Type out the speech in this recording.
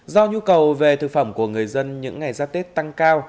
do nhu cầu về thực phẩm của người dân những ngày ra tết tăng cao